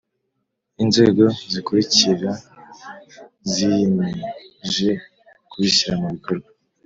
Inzego zikurikira ziyimeje kubishyira mu bikorwa